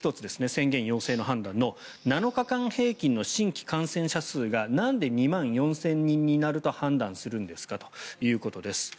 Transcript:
では、もう１つ宣言要請判断の７日間平均の新規感染者数がなんで２万４０００人になると判断するんですかということです。